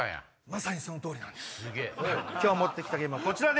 まさにその通りなんです今日持って来たゲームはこちら。